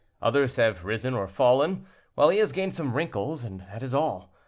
Others have risen or fallen, while he has gained some wrinkles, and that is all.